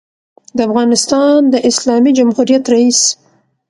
دافغانستان د اسلامي جمهوریت رئیس